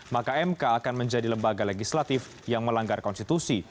maka mk akan menjadi lembaga legislatif yang melanggar konstitusi